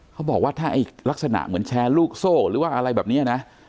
เขาบอกว่าถ้าไอ้ลักษณะเหมือนแชร์ลูกโซ่หรือว่าอะไรแบบนี้นะ